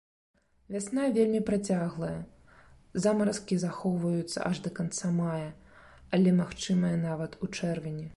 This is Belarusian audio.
Вясна вельмі працяглая, замаразкі захоўваюцца аж да канца мая, але магчымыя нават у чэрвені.